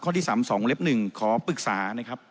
ที่๓๒เล็บ๑ขอปรึกษานะครับ